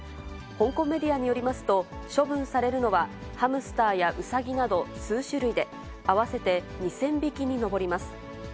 香港メディアによりますと、処分されるのはハムスターやうさぎなど数種類で、合わせて２０００匹に上ります。